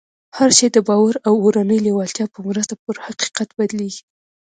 هر شی د باور او اورنۍ لېوالتیا په مرسته پر حقیقت بدلېږي